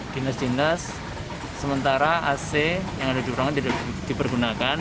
dinas dinas sementara ac yang ada di ruangan tidak dipergunakan